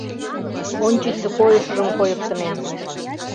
Ончычсо койышыжым койыктынем.